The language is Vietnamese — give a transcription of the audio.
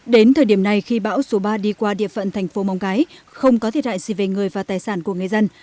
đến thời điểm này khi bão số ba đi qua địa phận thành phố móng cái không có thiệt hại gì về người và tài sản của người dân